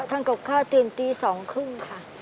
ก็ทั้งขบข้าเปลี่ยนทีสองครึ่งค่ะ